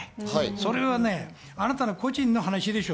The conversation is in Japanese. それはあなたの個人の話でしょ。